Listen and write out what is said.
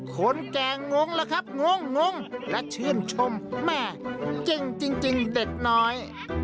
คนแก่งงแล้วครับงงและชื่นชมแม่จริงเด็กน้อย